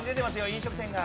飲食店が。